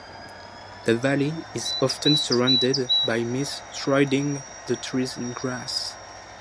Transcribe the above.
The valley is often surrounded by mist shrouding the trees and grass.